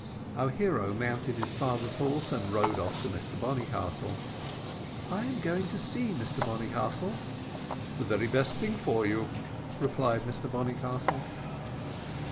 Our hero mounted his father's horse, and rode off to Mr Bonnycastle. "I am going to sea, Mr Bonnycastle." "The very best thing for you," replied Mr Bonnycastle.